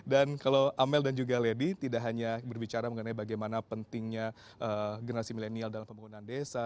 dan kalau amel dan juga ledy tidak hanya berbicara mengenai bagaimana pentingnya generasi milenial dalam pembangunan desa